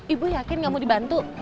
ibu yakin gak mau dibantu